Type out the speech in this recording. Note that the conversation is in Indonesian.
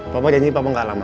papa janji papa enggak lama ya